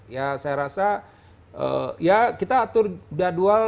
ya saya rasa ya kita atur jadwal